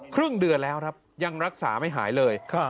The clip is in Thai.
ครึ่งเดือนแล้วครับยังรักษาไม่หายเลย